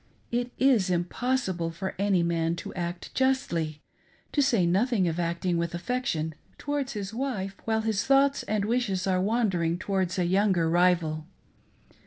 It is impossible for any man to act justly — ^to say nothing of acting with affection^towards his wife while his thoughts and wishes are wandering towards a younger rival.